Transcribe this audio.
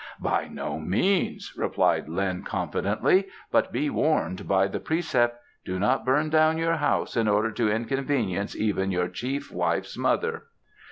"By no means," replied Lin confidently. "But be warned by the precept: 'Do not burn down your house in order to inconvenience even your chief wife's mother.